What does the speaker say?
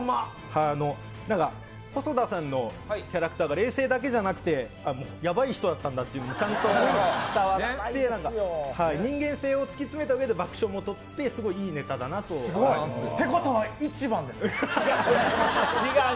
細田さんのキャラクターが冷静だけじゃなくてやばい人だったんだと伝わって人間性を突き詰めた上で爆笑も取ってということは１番ですね。